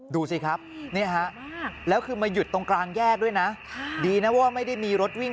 ดูสิครับแล้วคือมาหยุดตรงกลางแยกด้วยนะดีนะว่าไม่ได้มีรถวิ่ง